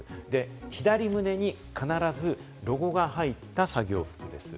左胸に必ずロゴが入った作業服です。